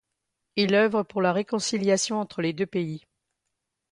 Il œuvre pour la réconciliation entre les deux pays.